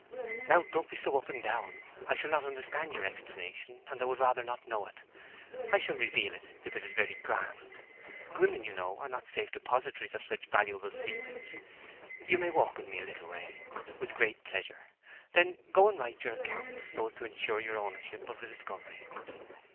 'Now don't be so up and down! I shall not understand your explanation, and I would rather not know it. I shall reveal it if it is very grand. Women, you know, are not safe depositaries of such valuable secrets. You may walk with me a little way, with great pleasure. Then go and write your account, so as to insure your ownership of the discovery.